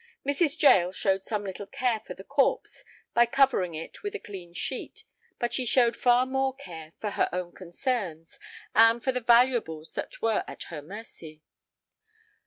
Mrs. Jael showed some little care for the corpse by covering it with a clean sheet, but she showed far more care for her own concerns and for the valuables that were at her mercy.